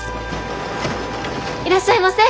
いらっしゃいませ。